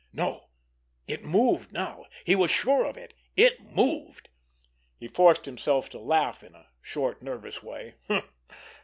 No—it moved now! He was sure of it. It moved! He forced himself to laugh in a short, nervous way.